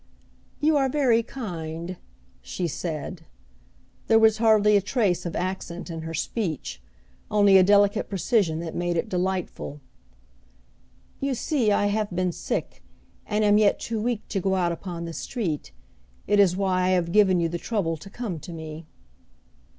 "You are very kind," she said. There was hardly a trace of accent in her speech, only a delicate precision that made it delightful. "You see, I have been sick, and am yet too weak to go out upon the street. It is why I have given you the trouble to come to me."